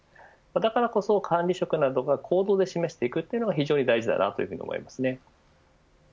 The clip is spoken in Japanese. だからこそ管理職などが、行動で示していくのが非常に大事なんだと思います。